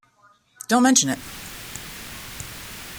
Don't mention it.